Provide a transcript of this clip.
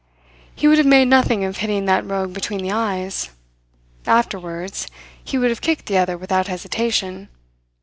He would have made nothing of hitting that rogue between the eyes. Afterwards he would have kicked the other without hesitation.